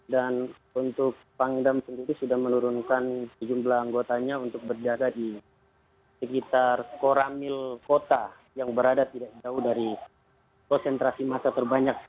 dan untuk pangdam sendiri sudah menurunkan jumlah anggotanya untuk berjaga di sekitar koramil kota yang berada tidak jauh dari konsentrasi massa terbanyak